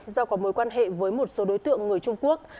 do có mối quan hệ với một số đối tượng người trung quốc